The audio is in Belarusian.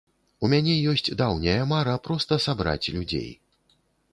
У мяне ёсць даўняя мара проста сабраць людзей.